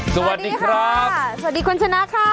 สวัสดีครับสวัสดีครับ